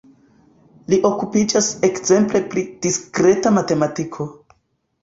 Li okupiĝas ekzemple pri diskreta matematiko.